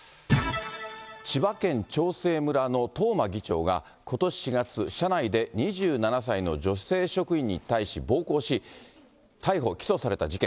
千葉県長生村の東間議長が、ことし４月、車内で２７歳の女性職員に対し暴行し、逮捕・起訴された事件。